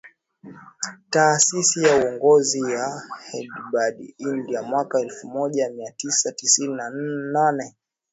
Taasisi ya Uongozi ya Hyderabad India mwaka elfu moja mia tisa tisini na nane